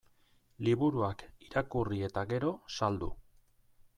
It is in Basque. Liburuak irakurri eta gero, saldu.